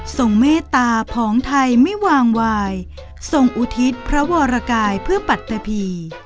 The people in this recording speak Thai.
เมตตาผองไทยไม่วางวายทรงอุทิศพระวรกายเพื่อปัตตะพี